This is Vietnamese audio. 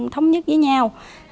thống nhất với nhau